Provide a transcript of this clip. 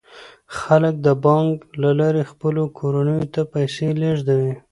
خلک د بانک له لارې خپلو کورنیو ته پیسې لیږدوي.